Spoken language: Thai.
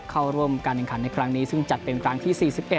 เข้าร่วมการแข่งขันในครั้งนี้ซึ่งจัดเป็นครั้งที่๔๑